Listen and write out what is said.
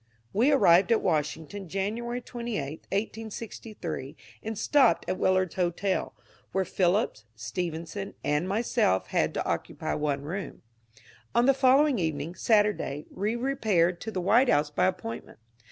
We arrived at Washington January 23, 1863, and stopped at Willard's Hotel, where Phillips, Stephenson, and myself had to occupy one room. On the following evening, Saturday, we repaired to the White House by appointment.